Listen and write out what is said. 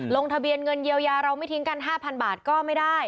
ลงทะเบียนเงินเยียวยาเราไม่ทิ้งกัน๕๐๐บาทก็ไม่ได้